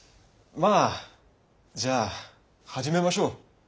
まぁじゃあ始めましょう。